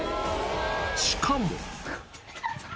しかも。